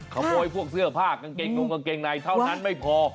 ขโมยพวกเสื้อผ้ากางเกงตรงกางเกงในเท่านั้นไม่พอ